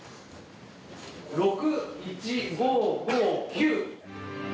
６、１、５、５、９。